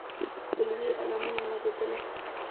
په خپلوي یې عالمونه نازېدله